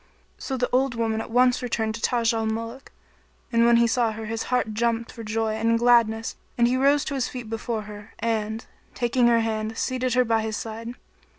" So the old woman at once returned to Taj al Muluk, and when he saw her his heart jumped for joy and gladness and he rose to his feet before her and, taking her hand, seated her by his side.